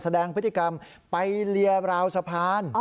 แสดงพฤติกรรมไปเลียราวสะพาน